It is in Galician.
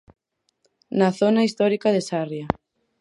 Na zona histórica de Sarria.